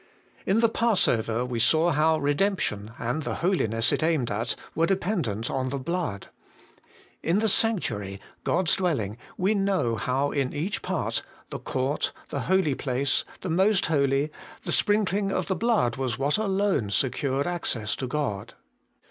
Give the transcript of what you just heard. In the Passover we saw how redemption, and the holiness it aimed at, were de pendent on the blood. In the sanctuary, God's dwelling, we know how in each part, the court, the holy place, the Most Holy, the sprinkling of blood was what alone secured access to God.